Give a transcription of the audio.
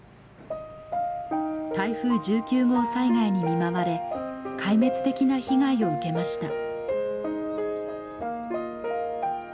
台風１９号災害に見舞われ壊滅的な被害を受けました。